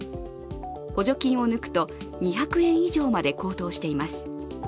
補助金を抜くと２００円以上まで高騰しています。